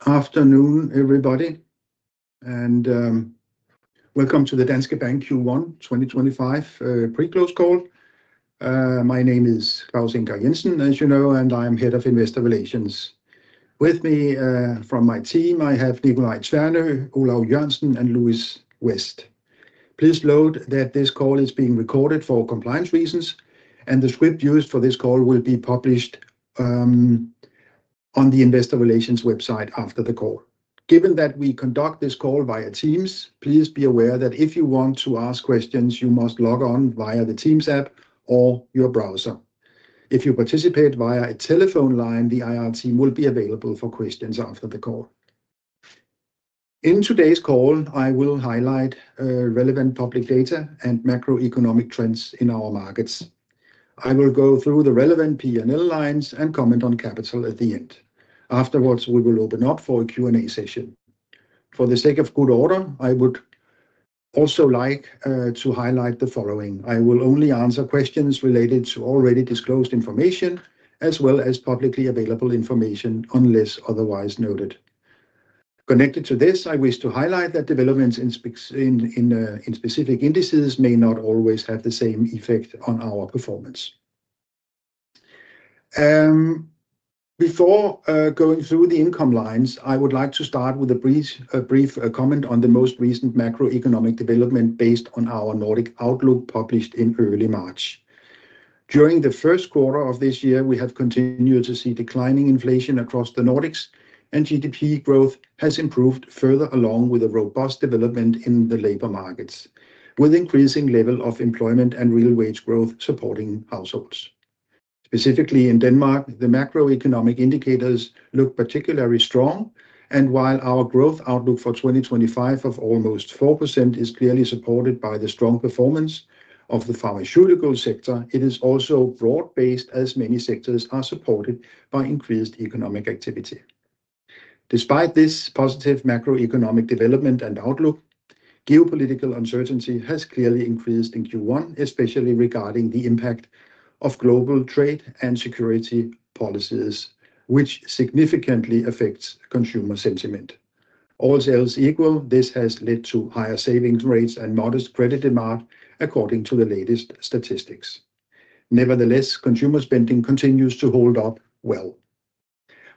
Good afternoon, everybody, and welcome to the Danske Bank Q1 2025 pre-close call. My name is Claus Ingar Jensen, as you know, and I'm Head of Investor Relations. With me from my team, I have Nicolai Tvernø, Olav Jørgensen, and Lewis West. Please note that this call is being recorded for compliance reasons, and the script used for this call will be published on the investor relations website after the call. Given that we conduct this call via Teams, please be aware that if you want to ask questions, you must log on via the Teams app or your browser. If you participate via a telephone line, the IR team will be available for questions after the call. In today's call, I will highlight relevant public data and macroeconomic trends in our markets. I will go through the relevant P&L lines and comment on capital at the end. Afterwards, we will open up for a Q&A session. For the sake of good order, I would also like to highlight the following: I will only answer questions related to already disclosed information as well as publicly available information unless otherwise noted. Connected to this, I wish to highlight that developments in specific indices may not always have the same effect on our performance. Before going through the income lines, I would like to start with a brief comment on the most recent macroeconomic development based on our Nordic Outlook published in early March. During the first quarter of this year, we have continued to see declining inflation across the Nordics, and GDP growth has improved further along with a robust development in the labor markets, with an increasing level of employment and real wage growth supporting households. Specifically in Denmark, the macroeconomic indicators look particularly strong, and while our growth outlook for 2025 of almost 4% is clearly supported by the strong performance of the pharmaceutical sector, it is also broad-based as many sectors are supported by increased economic activity. Despite this positive macroeconomic development and outlook, geopolitical uncertainty has clearly increased in Q1, especially regarding the impact of global trade and security policies, which significantly affects consumer sentiment. All sales equal, this has led to higher savings rates and modest credit demand, according to the latest statistics. Nevertheless, consumer spending continues to hold up well.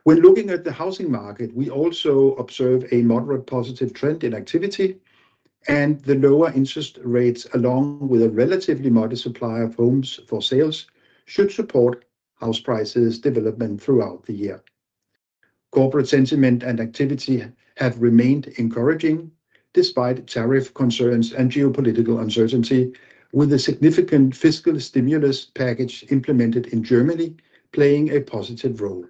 When looking at the housing market, we also observe a moderate positive trend in activity, and the lower interest rates, along with a relatively modest supply of homes for sales, should support house prices' development throughout the year. Corporate sentiment and activity have remained encouraging despite tariff concerns and geopolitical uncertainty, with a significant fiscal stimulus package implemented in Germany playing a positive role.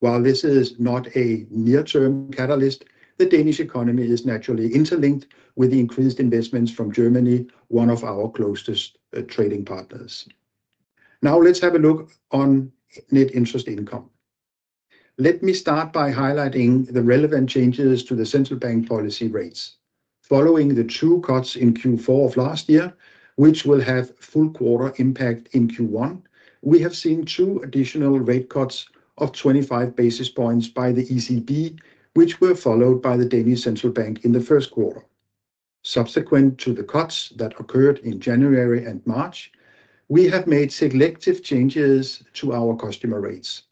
While this is not a near-term catalyst, the Danish economy is naturally interlinked with the increased investments from Germany, one of our closest trading partners. Now, let's have a look on net interest income. Let me start by highlighting the relevant changes to the central bank policy rates. Following the two cuts in Q4 of last year, which will have full quarter impact in Q1, we have seen two additional rate cuts of 25 basis points by the ECB, which were followed by the Danish central bank in the first quarter. Subsequent to the cuts that occurred in January and March, we have made selective changes to our customer rates.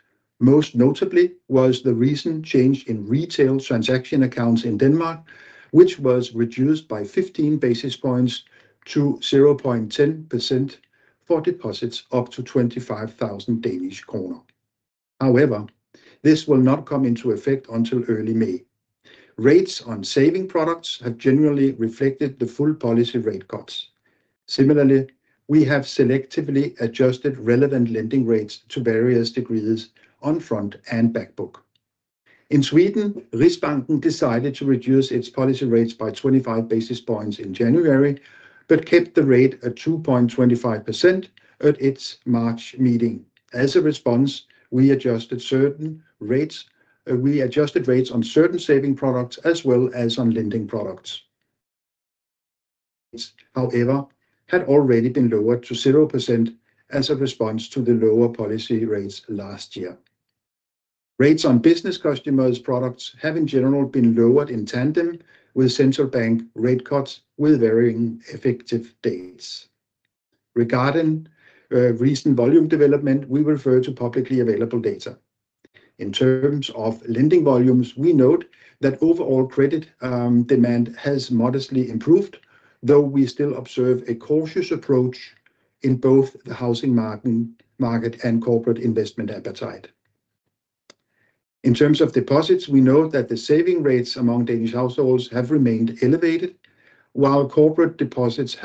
Most notably was the recent change in retail transaction accounts in Denmark, which was reduced by 15 basis points to 0.10% for deposits up to 25,000 Danish kroner. However, this will not come into effect until early May. Rates on saving products have generally reflected the full policy rate cuts. Similarly, we have selectively adjusted relevant lending rates to various degrees on front and back book. In Sweden, Riksbanken decided to reduce its policy rates by 25 basis points in January but kept the rate at 2.25% at its March meeting. As a response, we adjusted rates on certain saving products as well as on lending products. However, they had already been lowered to 0% as a response to the lower policy rates last year. Rates on business customers' products have in general been lowered in tandem with central bank rate cuts with varying effective dates. Regarding recent volume development, we refer to publicly available data. In terms of lending volumes, we note that overall credit demand has modestly improved, though we still observe a cautious approach in both the housing market and corporate investment appetite. In terms of deposits, we note that the saving rates among Danish households have remained elevated, while corporate deposits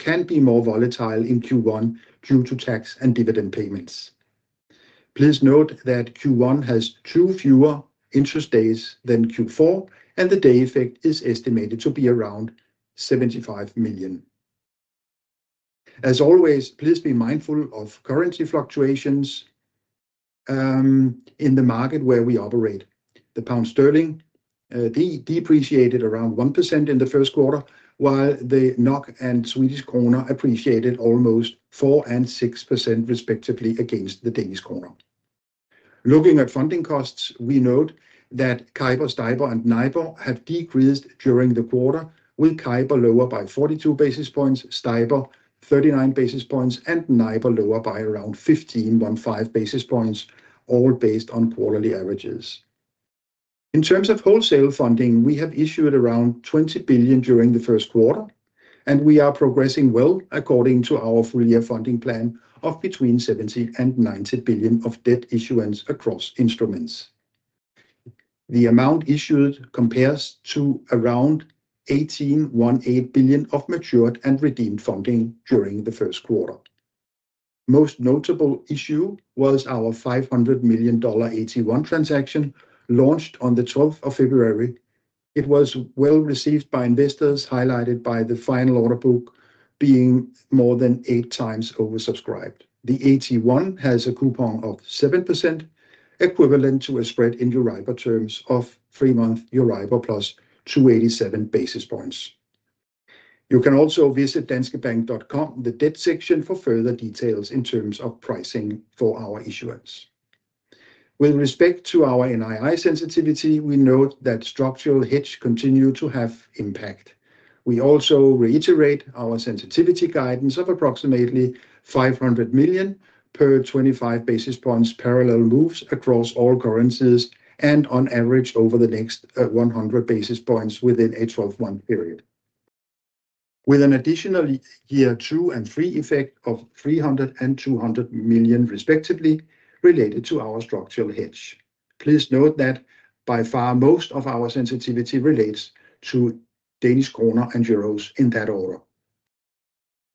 can be more volatile in Q1 due to tax and dividend payments. Please note that Q1 has two fewer interest days than Q4, and the day effect is estimated to be around 75 million. As always, please be mindful of currency fluctuations in the market where we operate. The pound sterling depreciated around 1% in the first quarter, while the NOK and Swedish krona appreciated almost 4% and 6% respectively against the Danish krone. Looking at funding costs, we note that CIBOR, STIBOR, and NIBOR have decreased during the quarter, with CIBOR lower by 42 basis points, STIBOR 39 basis points, and NIBOR lower by around 15.15 basis points, all based on quarterly averages. In terms of wholesale funding, we have issued around 20 billion during the first quarter, and we are progressing well according to our full-year funding plan of between 70 billion and 90 billion of debt issuance across instruments. The amount issued compares to around 18.18 billion of matured and redeemed funding during the first quarter. Most notable issue was our $500 million AT1 transaction launched on the 12th of February. It was well received by investors, highlighted by the final order book being more than eight times oversubscribed. The AT1 has a coupon of 7%, equivalent to a spread in Euribor terms of three-month Euribor plus 287 basis points. You can also visit danskebank.com, the debt section, for further details in terms of pricing for our issuance. With respect to our NII sensitivity, we note that structural hedge continues to have impact. We also reiterate our sensitivity guidance of approximately 500 million per 25 basis points parallel moves across all currencies and on average over the next 100 basis points within a 12-month period, with an additional year two and three effect of 300 million and 200 million respectively related to our structural hedge. Please note that by far most of our sensitivity relates to Danish krone and euros in that order.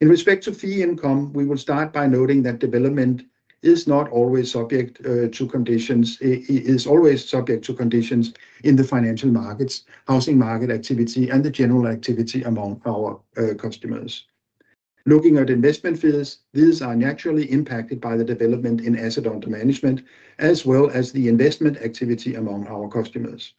In respect to fee income, we will start by noting that development is not always subject to conditions in the financial markets, housing market activity, and the general activity among our customers. Looking at investment fees, these are naturally impacted by the development in assets under management as well as the investment activity among our customers.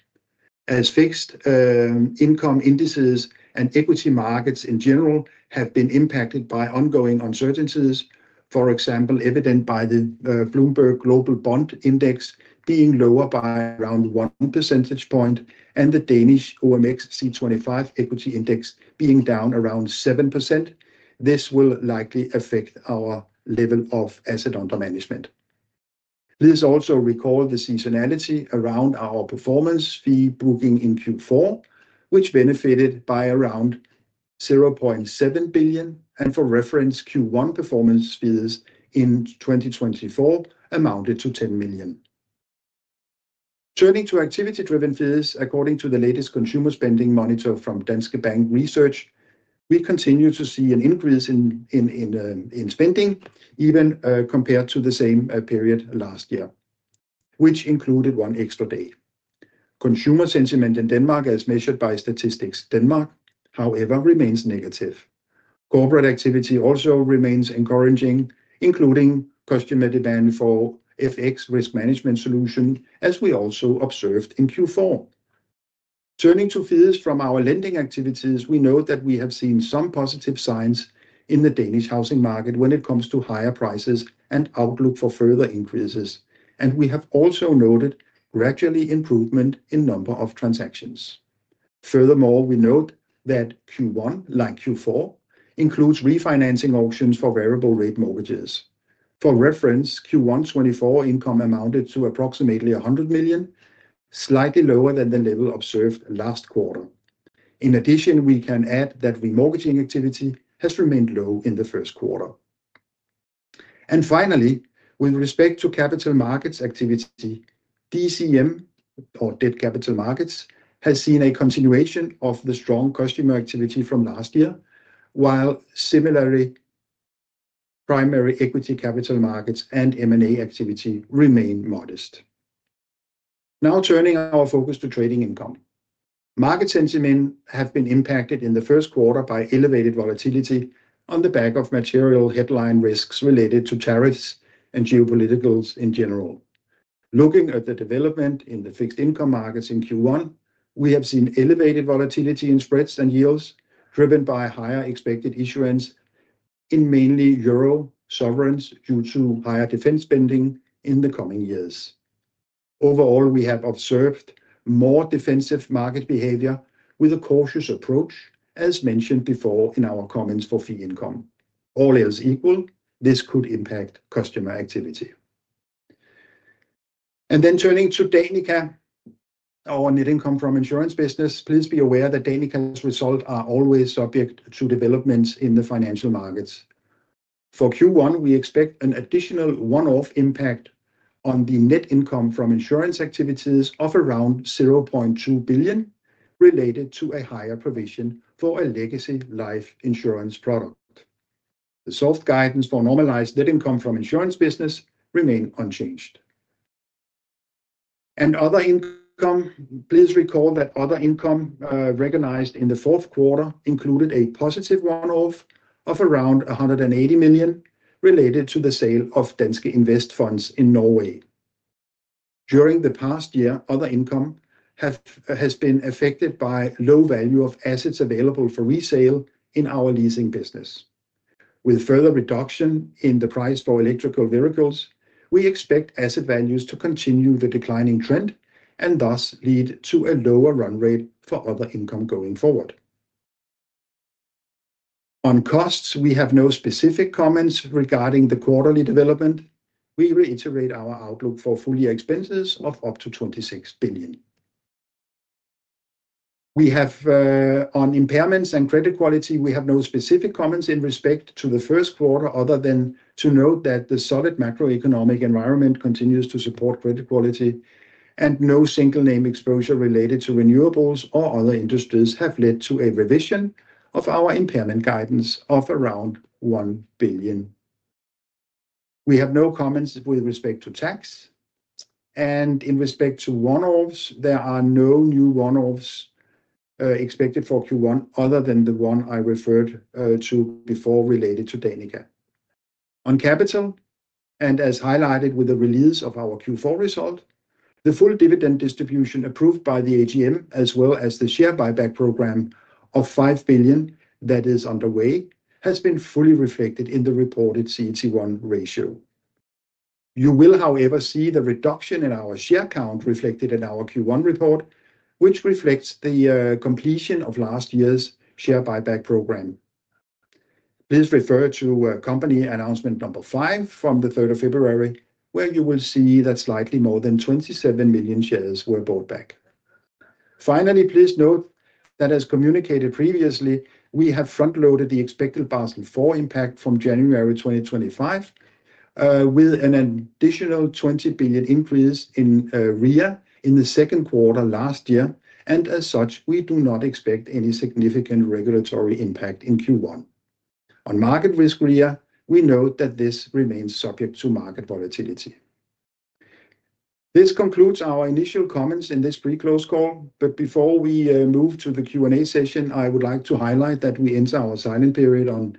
As fixed income indices and equity markets in general have been impacted by ongoing uncertainties, for example, evident by the Bloomberg Global Bond Index being lower by around one percentage point and the Danish OMXC25 equity index being down around 7%, this will likely affect our level of assets under management. Please also recall the seasonality around our performance fee booking in Q4, which benefited by around 0.7 billion, and for reference, Q1 performance fees in 2024 amounted to 10 million. Turning to activity-driven fees, according to the latest Consumer Spending Monitor from Danske Bank Research, we continue to see an increase in spending even compared to the same period last year, which included one extra day. Consumer sentiment in Denmark, as measured by Statistics Denmark, however, remains negative. Corporate activity also remains encouraging, including customer demand for FX risk management solutions, as we also observed in Q4. Turning to fees from our lending activities, we note that we have seen some positive signs in the Danish housing market when it comes to higher prices and outlook for further increases, and we have also noted gradually improvement in number of transactions. Furthermore, we note that Q1, like Q4, includes refinancing options for variable-rate mortgages. For reference, Q1 2024 income amounted to approximately 100 million, slightly lower than the level observed last quarter. In addition, we can add that remortgaging activity has remained low in the first quarter. Finally, with respect to capital markets activity, DCM, or debt capital markets, has seen a continuation of the strong customer activity from last year, while similarly, primary equity capital markets and M&A activity remain modest. Now turning our focus to trading income, market sentiment has been impacted in the first quarter by elevated volatility on the back of material headline risks related to tariffs and geopoliticals in general. Looking at the development in the fixed income markets in Q1, we have seen elevated volatility in spreads and yields driven by higher expected issuance in mainly euro sovereigns due to higher defense spending in the coming years. Overall, we have observed more defensive market behavior with a cautious approach, as mentioned before in our comments for fee income. All else equal, this could impact customer activity. Turning to Danica, our net income from insurance business, please be aware that Danica's results are always subject to developments in the financial markets. For Q1, we expect an additional one-off impact on the net income from insurance activities of around 0.2 billion related to a higher provision for a legacy life insurance product. The soft guidance for normalized net income from insurance business remains unchanged. Please recall that other income recognized in the fourth quarter included a positive one-off of around 180 million related to the sale of Danske Invest Funds in Norway. During the past year, other income has been affected by low value of assets available for resale in our leasing business. With further reduction in the price for electric vehicles, we expect asset values to continue the declining trend and thus lead to a lower run rate for other income going forward. On costs, we have no specific comments regarding the quarterly development. We reiterate our outlook for full-year expenses of up to 26 billion. On impairments and credit quality, we have no specific comments in respect to the first quarter other than to note that the solid macroeconomic environment continues to support credit quality and no single-name exposure related to renewables or other industries has led to a revision of our impairment guidance of around 1 billion. We have no comments with respect to tax, and in respect to one-offs, there are no new one-offs expected for Q1 other than the one I referred to before related to Danica. On capital, and as highlighted with the release of our Q4 result, the full dividend distribution approved by the AGM, as well as the share buyback program of 5 billion that is underway, has been fully reflected in the reported CET1 ratio. You will, however, see the reduction in our share count reflected in our Q1 report, which reflects the completion of last year's share buyback program. Please refer to company announcement number five from the 3rd of February, where you will see that slightly more than 27 million shares were bought back. Finally, please note that, as communicated previously, we have front-loaded the expected Basel IV impact from January 2025 with an additional 20 billion increase in REA in the second quarter last year, and as such, we do not expect any significant regulatory impact in Q1. On market risk REA, we note that this remains subject to market volatility. This concludes our initial comments in this pre-close call, but before we move to the Q&A session, I would like to highlight that we end our silent period on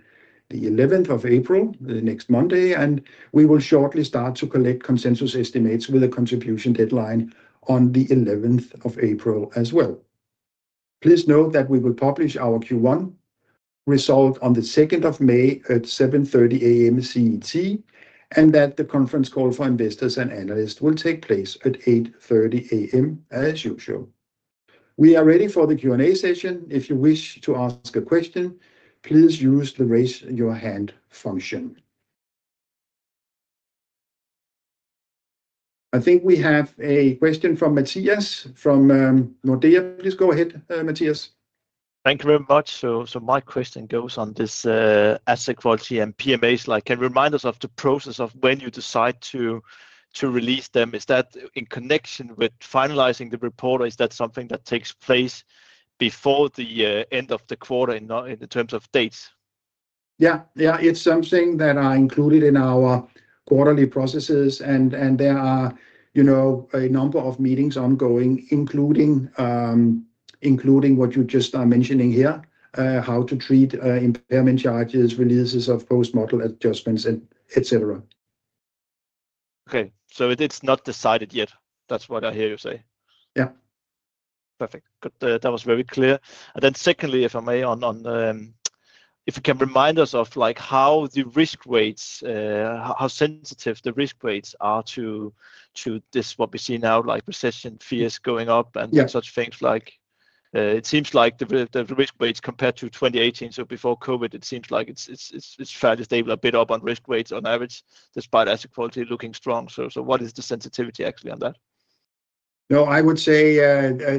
the 11th of April, next Monday, and we will shortly start to collect consensus estimates with a contribution deadline on the 11th of April as well. Please note that we will publish our Q1 result on the 2nd of May at 7:30 A.M. CET, and that the conference call for investors and analysts will take place at 8:30 A.M. as usual. We are ready for the Q&A session. If you wish to ask a question, please use the raise your hand function. I think we have a question from Mathias from Nordea. Please go ahead, Mathias. Thank you very much. My question goes on this asset quality and PMA slide. Can you remind us of the process of when you decide to release them? Is that in connection with finalizing the report, or is that something that takes place before the end of the quarter in terms of dates? Yeah, yeah, it's something that is included in our quarterly processes, and there are a number of meetings ongoing, including what you just are mentioning here, how to treat impairment charges, releases of post-model adjustments, etc. Okay, so it's not decided yet. That's what I hear you say. Yeah. Perfect. That was very clear. Secondly, if I may, if you can remind us of how the risk rates, how sensitive the risk rates are to this, what we see now, like recession fears going up and such things. It seems like the risk rates compared to 2018, so before COVID, it seems like it's fairly stable, a bit up on risk rates on average, despite asset quality looking strong. What is the sensitivity actually on that? No, I would say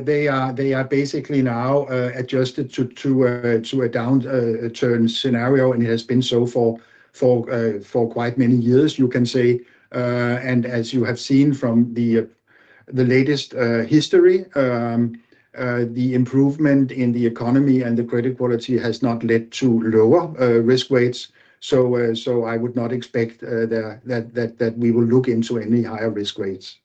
they are basically now adjusted to a downturn scenario, and it has been so for quite many years, you can say. As you have seen from the latest history, the improvement in the economy and the credit quality has not led to lower risk rates. I would not expect that we will look into any higher risk rates.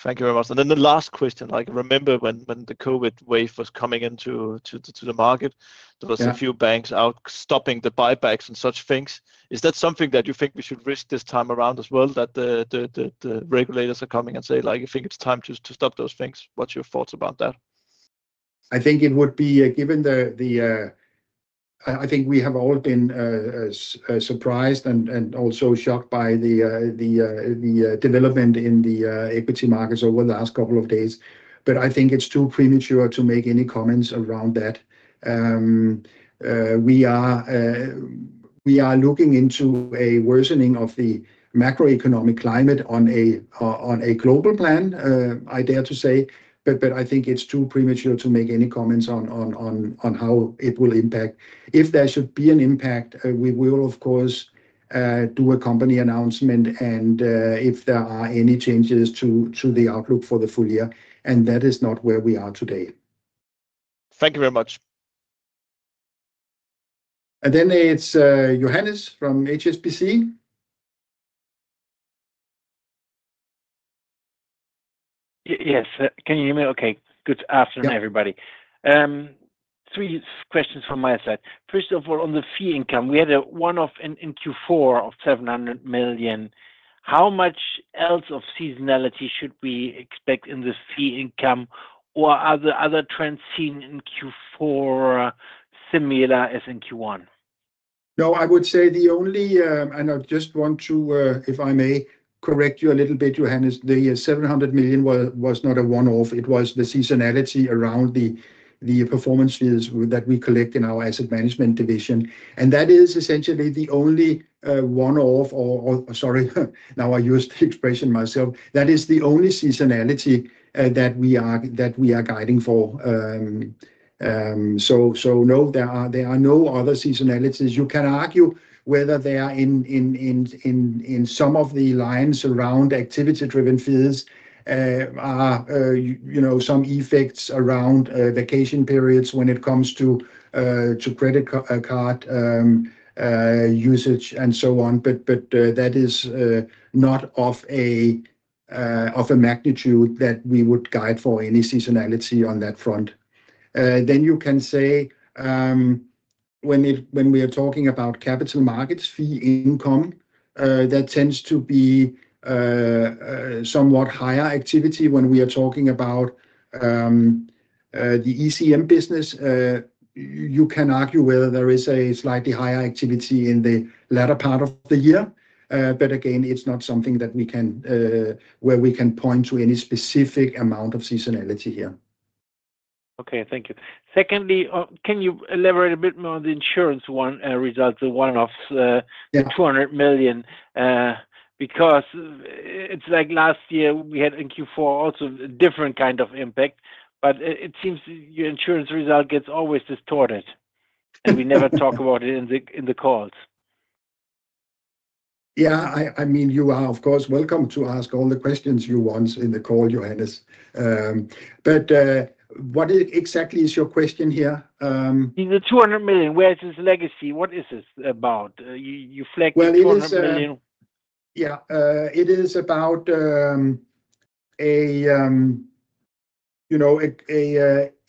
Thank you very much. The last question, remember when the COVID wave was coming into the market, there were a few banks out stopping the buybacks and such things. Is that something that you think we should risk this time around as well, that the regulators are coming and saying, "I think it's time to stop those things"? What's your thoughts about that? I think it would be, given the I think we have all been surprised and also shocked by the development in the equity markets over the last couple of days. I think it's too premature to make any comments around that. We are looking into a worsening of the macroeconomic climate on a global plan, I dare to say, but I think it's too premature to make any comments on how it will impact. If there should be an impact, we will, of course, do a company announcement and if there are any changes to the outlook for the full year, and that is not where we are today. Thank you very much. It is Johannes from HSBC. Yes, can you hear me? Okay. Good afternoon, everybody. Three questions from my side. First of all, on the fee income, we had a one-off in Q4 of 700 million. How much else of seasonality should we expect in the fee income, or are there other trends seen in Q4 similar as in Q1? No, I would say the only, and I just want to, if I may, correct you a little bit, Johannes. The 700 million was not a one-off. It was the seasonality around the performance fees that we collect in our asset management division. That is essentially the only one-off, or sorry, now I use the expression myself. That is the only seasonality that we are guiding for. No, there are no other seasonalities. You can argue whether they are in some of the lines around activity-driven fees, some effects around vacation periods when it comes to credit card usage and so on, but that is not of a magnitude that we would guide for any seasonality on that front. You can say, when we are talking about capital markets fee income, that tends to be somewhat higher activity when we are talking about the ECM business. You can argue whether there is a slightly higher activity in the latter part of the year, but again, it is not something where we can point to any specific amount of seasonality here. Okay, thank you. Secondly, can you elaborate a bit more on the insurance result, the one-offs of 200 million? Because it's like last year we had in Q4 also a different kind of impact, but it seems your insurance result gets always distorted, and we never talk about it in the calls. Yeah, I mean, you are, of course, welcome to ask all the questions you want in the call, Johannes. What exactly is your question here? The 200 million, where is this legacy? What is this about? You flagged the 200 million. Yeah, it is about an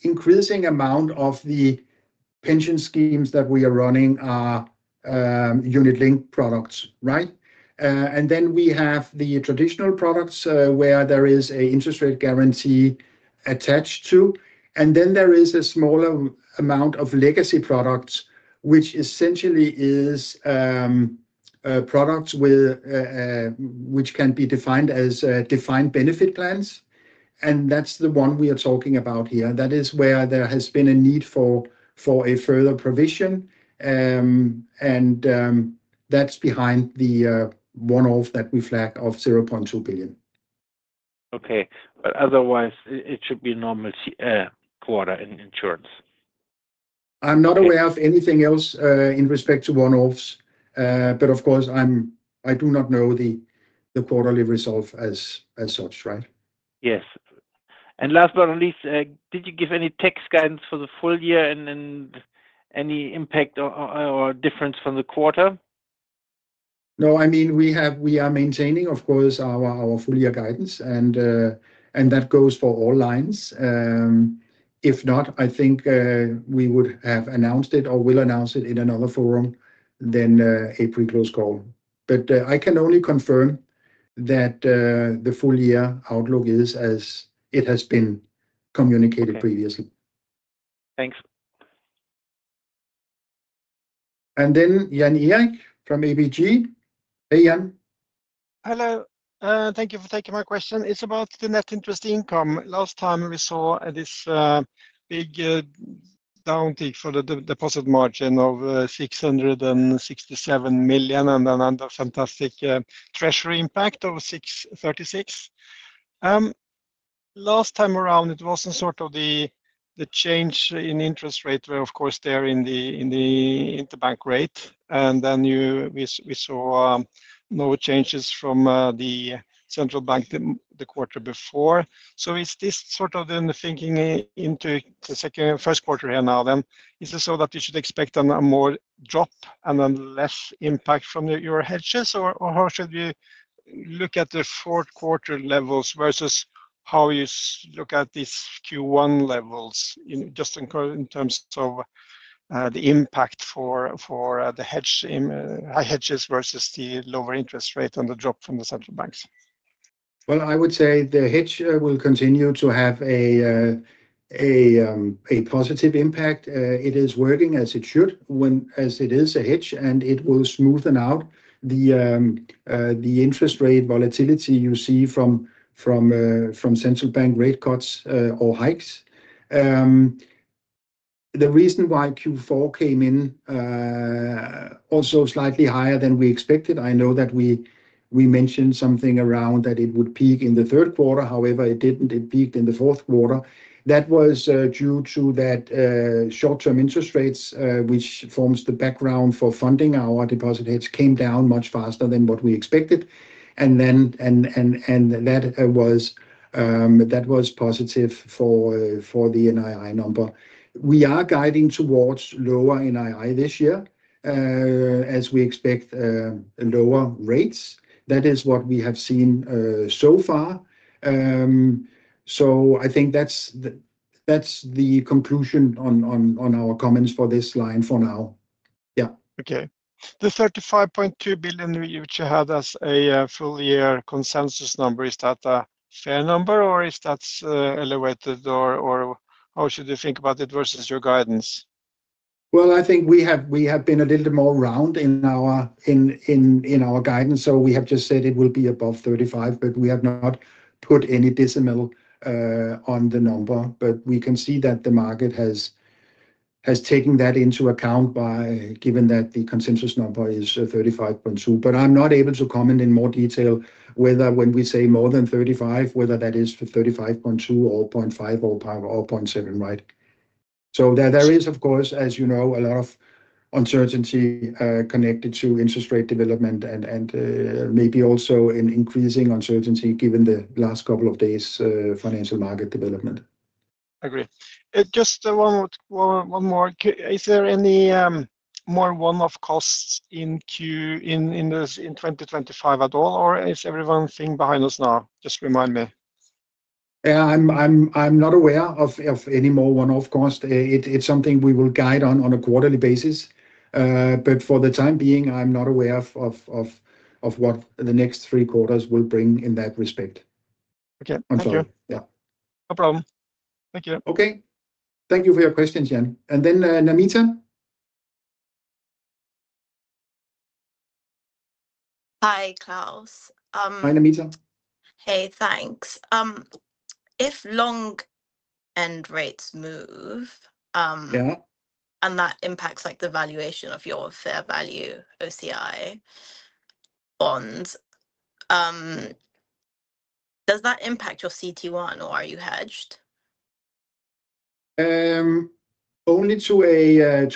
increasing amount of the pension schemes that we are running are unit-linked products, right? And then we have the traditional products where there is an interest rate guarantee attached to, and then there is a smaller amount of legacy products, which essentially is products which can be defined as defined benefit plans, and that's the one we are talking about here. That is where there has been a need for a further provision, and that's behind the one-off that we flagged of 0.2 billion. Okay, otherwise, it should be a normal quarter in insurance. I'm not aware of anything else in respect to one-offs, but of course, I do not know the quarterly result as such, right? Yes. Last but not least, did you give any tax guidance for the full year and any impact or difference from the quarter? No, I mean, we are maintaining, of course, our full-year guidance, and that goes for all lines. If not, I think we would have announced it or will announce it in another forum than a pre-close call. I can only confirm that the full-year outlook is as it has been communicated previously. Thanks. Jan Erik from ABG. Hey, Jan. Hello. Thank you for taking my question. It's about the net interest income. Last time we saw this big downtick for the deposit margin of 667 million and another fantastic Treasury impact of 636 million. Last time around, it wasn't sort of the change in interest rate where, of course, they're in the interbank rate, and then we saw no changes from the central bank the quarter before. Is this sort of then thinking into the first quarter here now, is it so that we should expect a more drop and then less impact from your hedges, or how should we look at the fourth quarter levels versus how you look at these Q1 levels just in terms of the impact for the high hedges versus the lower interest rate and the drop from the central banks? I would say the hedge will continue to have a positive impact. It is working as it should, as it is a hedge, and it will smoothen out the interest rate volatility you see from central bank rate cuts or hikes. The reason why Q4 came in also slightly higher than we expected. I know that we mentioned something around that it would peak in the third quarter; however, it did not. It peaked in the fourth quarter. That was due to that short-term interest rates, which forms the background for funding our deposit hedge, came down much faster than what we expected, and that was positive for the NII number. We are guiding towards lower NII this year as we expect lower rates. That is what we have seen so far. I think that is the conclusion on our comments for this line for now. Yeah. Okay. The 35.2 billion which you had as a full-year consensus number, is that a fair number, or is that elevated, or how should you think about it versus your guidance? I think we have been a little more round in our guidance, so we have just said it will be above 35 billion, but we have not put any decimal on the number. We can see that the market has taken that into account given that the consensus number is 35.2 billion. I am not able to comment in more detail whether when we say more than 35 billion, whether that is 35.2 billion or 0.5 or 0.7, right? There is, of course, as you know, a lot of uncertainty connected to interest rate development and maybe also an increasing uncertainty given the last couple of days' financial market development. Agreed. Just one more. Is there any more one-off costs in 2025 at all, or is everyone thinking behind us now? Just remind me. Yeah, I'm not aware of any more one-off cost. It's something we will guide on a quarterly basis, but for the time being, I'm not aware of what the next three quarters will bring in that respect. Okay. Thank you. Yeah. No problem. Thank you. Okay. Thank you for your questions, Jan. And then Namita. Hi, Claus. Hi, Namita. Hey, thanks. If long-end rates move and that impacts the valuation of your fair value OCI bonds, does that impact your CET1, or are you hedged? Only to a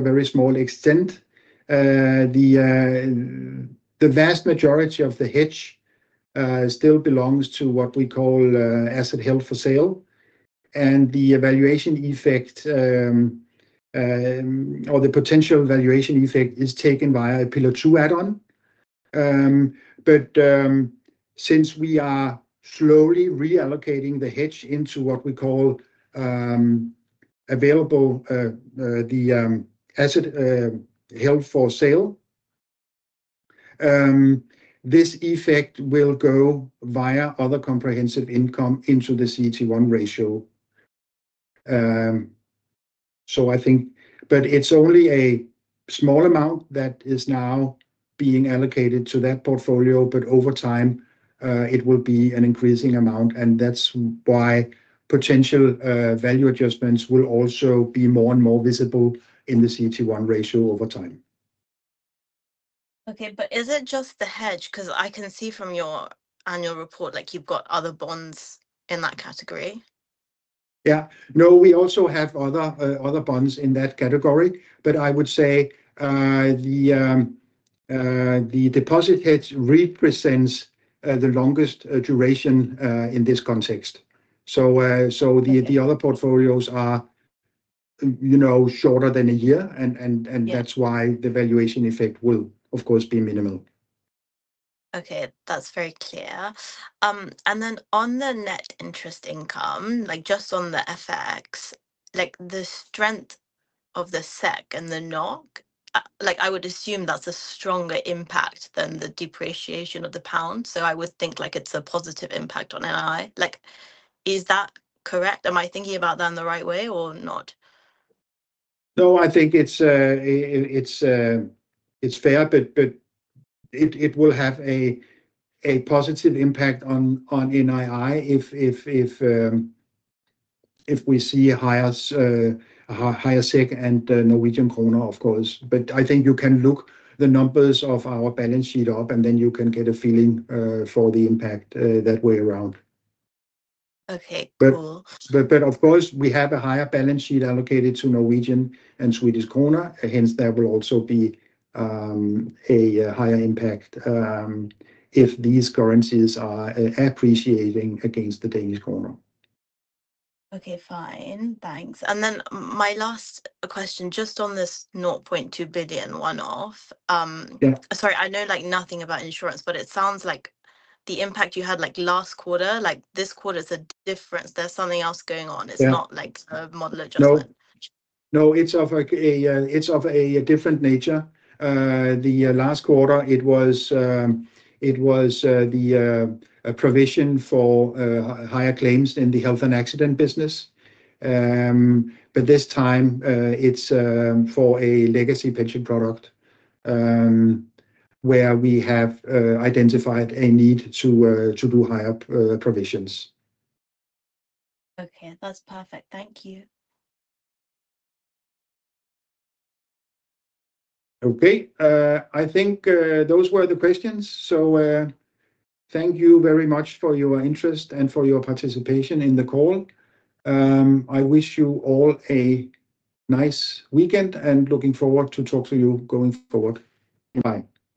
very small extent. The vast majority of the hedge still belongs to what we call assets held for sale, and the evaluation effect or the potential evaluation effect is taken via a Pillar II add-on. Since we are slowly reallocating the hedge into what we call available, the assets held for sale, this effect will go via other comprehensive income into the CET1 ratio. It is only a small amount that is now being allocated to that portfolio, but over time, it will be an increasing amount, and that is why potential value adjustments will also be more and more visible in the CET1 ratio over time. Okay, is it just the hedge? Because I can see from your annual report you have other bonds in that category. Yeah. No, we also have other bonds in that category, but I would say the deposit hedge represents the longest duration in this context. The other portfolios are shorter than a year, and that is why the valuation effect will, of course, be minimal. Okay, that is very clear. On the net interest income, just on the FX, the strength of the SEK and the NOK, I would assume that's a stronger impact than the depreciation of the pound. I would think it's a positive impact on NII. Is that correct? Am I thinking about that in the right way or not? I think it's fair, it will have a positive impact on NII if we see a higher SEK and Norwegian krone, of course. I think you can look the numbers of our balance sheet up, and then you can get a feeling for the impact that way around. Okay, cool. Of course, we have a higher balance sheet allocated to Norwegian krone and Swedish krona, hence there will also be a higher impact if these currencies are appreciating against the Danish krone. Okay, fine. Thanks. My last question, just on this 0.2 billion one-off. Sorry, I know nothing about insurance, but it sounds like the impact you had last quarter, this quarter is a difference. There's something else going on. It's not a model adjustment. No, it's of a different nature. The last quarter, it was the provision for higher claims in the health and accident business. This time, it's for a legacy pension product where we have identified a need to do higher provisions. Okay, that's perfect. Thank you. I think those were the questions. Thank you very much for your interest and for your participation in the call. I wish you all a nice weekend and look forward to talking to you going forward. Bye.